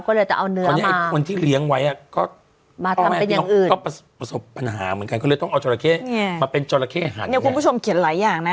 ก็เลยจะเอาเนื้อมาคนที่เลี้ยงไว้ก็ประสบปัญหาเหมือนกัน